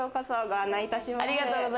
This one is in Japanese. ご案内いたします。